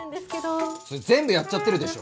それ全部やっちゃってるでしょ。